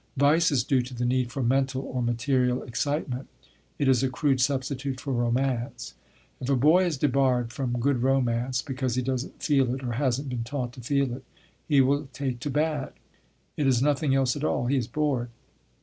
Vice is due to the need for mental or material excitement; it is a crude substitute for romance. If a boy is debarred from good romance, because he doesn't feel it or hasn't been taught to feel it, he will take to bad. It is nothing else at all: he is bored.